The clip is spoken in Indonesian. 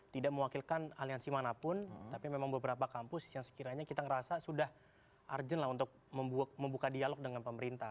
tidak mewakilikan aliansi manapun tapi memang beberapa kampus yang sekiranya kita merasa sudah urgent lah untuk membuka dialog dengan pemerintah